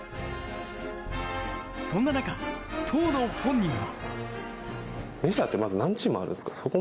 そんな中、当の本人は。